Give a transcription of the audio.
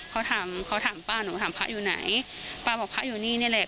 เขาถามเขาถามป้าหนูถามพระอยู่ไหนป้าบอกพระอยู่นี่นี่แหละ